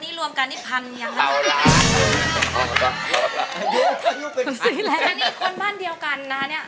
แล้วรูปนี้คนบ้านเดียวกันน่ะเนี่ย